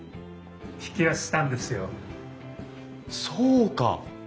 そうか！